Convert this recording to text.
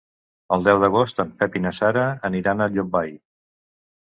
El deu d'agost en Pep i na Sara aniran a Llombai.